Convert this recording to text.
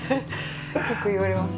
よく言われます